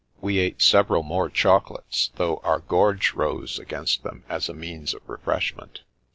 We ate several more chocolates, though our gorge rose against them as a means of refreshment.